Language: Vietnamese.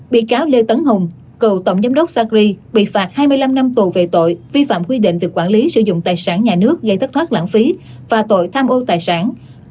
bị cáo lê tấn hùng cựu tổng giám đốc sacri bị phạt hai mươi năm năm tù về tội vi phạm quy định về quản lý sử dụng tài sản nhà nước gây thất thoát lãng phí và tội tham ô tài sản